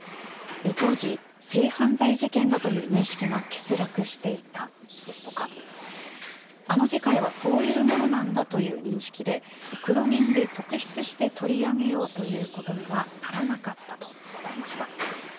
当時性犯罪事件だという認識が欠落していたですとかあの世界はそういうものなんだという認識でクロ現で特筆して取り上げようということにはならなかったと答えました。